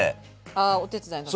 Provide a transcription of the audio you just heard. ああお手伝いの時？